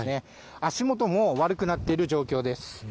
足元も悪くなっている状況です。